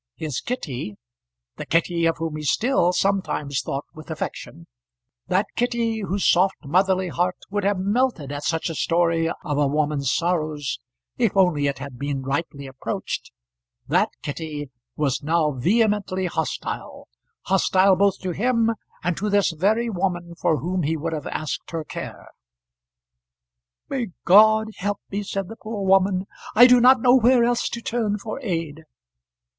His Kitty, the Kitty of whom he still sometimes thought with affection, that Kitty whose soft motherly heart would have melted at such a story of a woman's sorrows, if only it had been rightly approached, that Kitty was now vehemently hostile, hostile both to him and to this very woman for whom he would have asked her care. "May God help me!" said the poor woman. "I do not know where else to turn for aid.